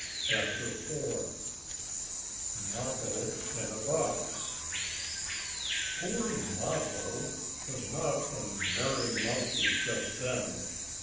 CHAPTER IV MAPPO IN A BOX Poor Mappo was not a merry monkey just then.